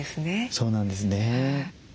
そうなんですね。